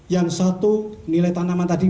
yang satu nilai tanaman tadi